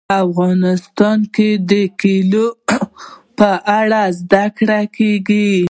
افغانستان کې د کلیو په اړه زده کړه کېږي.